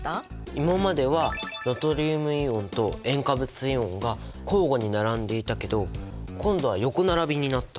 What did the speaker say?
今まではナトリウムイオンと塩化物イオンが交互に並んでいたけど今度は横並びになった。